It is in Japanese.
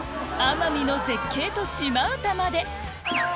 奄美の絶景と「シマ唄」まで